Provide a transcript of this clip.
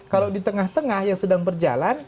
kalau di tengah tengah yang sedang berjalan